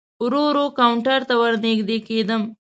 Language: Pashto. ورو ورو کاونټر ته ور نږدې کېدم.